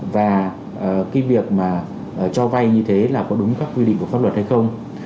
và cái việc mà cho vay như thế là có đúng các quy định của pháp luật hay không